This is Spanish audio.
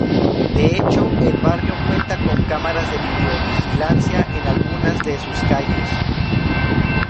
De hecho, el barrio cuenta con cámaras de videovigilancia en algunas de sus calles.